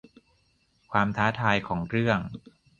ความท้าทายของเรื่อง